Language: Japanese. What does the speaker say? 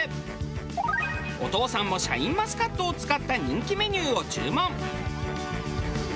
お父さんもシャインマスカットを使った人気メニューを注文。